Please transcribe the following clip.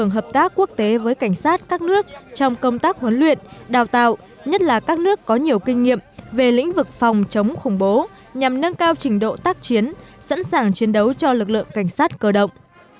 hợp tác quốc tế với cảnh sát các nước trong công tác huấn luyện đào tạo nhất là các nước có nhiều kinh nghiệm về lĩnh vực phòng chống khủng bố nhằm nâng cao trình độ tác chiến sẵn sàng chiến đấu cho lực lượng cảnh sát cơ động